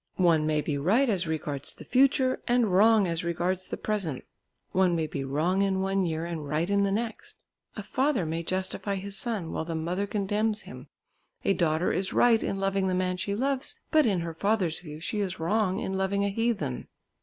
One may be right as regards the future, and wrong as regards the present; one may be wrong in one year and right in the next; a father may justify his son while the mother condemns him; a daughter is right in loving the man she loves, but in her father's view she is wrong in loving a heathen.